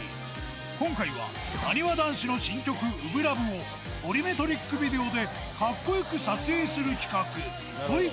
今回はなにわ男子の新曲、初心ＬＯＶＥをボリュメトリックビデオで、かっこよく撮影する企